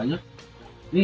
dapat orderan banyak